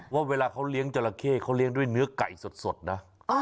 ว่าเวลาเขาเลี้ยงจราเข้เขาเลี้ยงด้วยเนื้อไก่สดนะ